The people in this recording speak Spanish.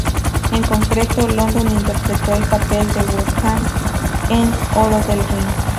En concreto, London interpretó el papel de Wotan en "El oro del Rin".